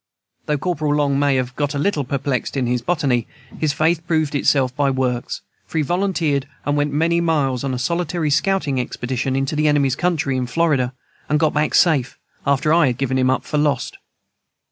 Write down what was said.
And though Corporal Long may have got a little perplexed in his botany, his faith proved itself by works, for he volunteered and went many miles on a solitary scouting expedition into the enemy's country in Florida, and got back safe, after I had given him up for lost.